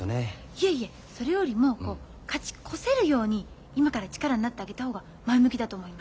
いえいえそれよりも勝ち越せるように今から力になってあげた方が前向きだと思います。